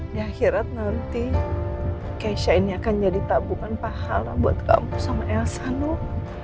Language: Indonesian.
di akhirat nanti keisha ini akan jadi tabungan pahala buat kamu sama elsa nu